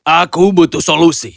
aku butuh solusi